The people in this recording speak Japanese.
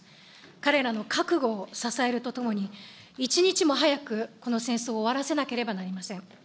彼らの覚悟を支えるとともに、一日も早くこの戦争を終わらせなければなりません。